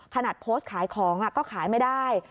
ขนาดโพสต์ขายของก็ขายไม่ได้